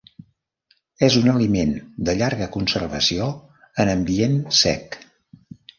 És un aliment de llarga conservació en ambient sec.